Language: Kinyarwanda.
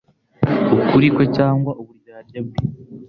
ukuri kwe cyangwa uburyarya bwe»